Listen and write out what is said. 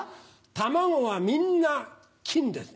卵はみんな金です。